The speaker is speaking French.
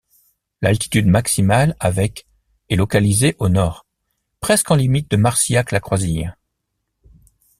L'altitude maximale avec est localisée au nord, presque en limite de Marcillac-la-Croisille.